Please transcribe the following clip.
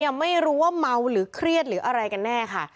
ไม่รู้ว่าเมาหรือเครียดหรืออะไรกันแน่ค่ะ